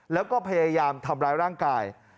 แล้วก็พยายามทำร้ายร่างกาย